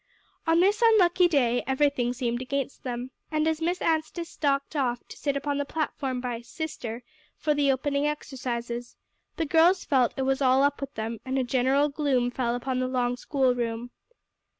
On this unlucky day, everything seemed against them; and as Miss Anstice stalked off to sit upon the platform by "sister" for the opening exercises, the girls felt it was all up with them, and a general gloom fell upon the long schoolroom.